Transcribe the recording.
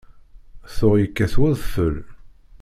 Tuɣ yekkat wedfel.